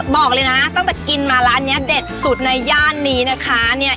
บอกเลยนะตั้งแต่กินมาร้านนี้เด็ดสุดในย่านนี้นะคะเนี่ย